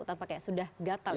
atau sudah gatel menyatakan sesuatu